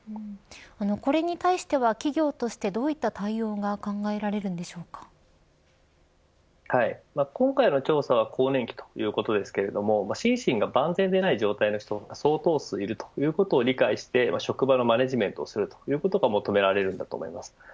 これに対しては、企業としてどういった対応が今回の調査は更年期ということですけれど心身が万全でない状態の人が相当数いるということを理解して職場のマネジメントをするということが求められるんだと思います。